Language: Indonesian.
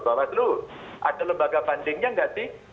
bawaslu ada lembaga bandingnya nggak sih